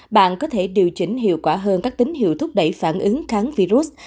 bạn có thể điều chỉnh hiệu quả hơn các tín hiệu thúc đẩy phản ứng kháng virus